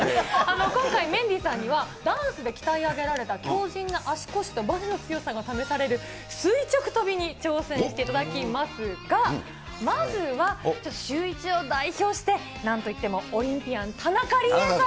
今回、メンディーさんには、ダンスで鍛え上げられた強じんな足腰とばねの強さが試される垂直跳びに挑戦していただきますが、まずは、ちょっとシューイチを代表して、なんといってもオリンピアン、それはもう世界の。